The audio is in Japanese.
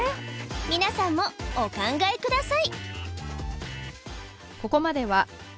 皆さんもお考えください